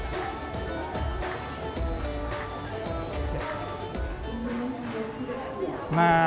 menurut saya ini adalah minuman yang lebih baik untuk mencoba kopi